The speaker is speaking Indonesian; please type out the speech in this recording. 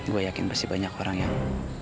gue yakin masih banyak orang yang